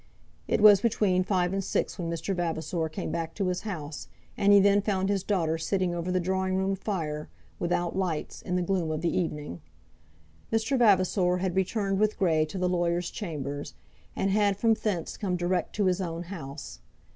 It was between five and six when Mr. Vavasor came back to his house, and he then found his daughter sitting over the drawing room fire, without lights, in the gloom of the evening. Mr. Vavasor had returned with Grey to the lawyer's chambers, and had from thence come direct to his own house.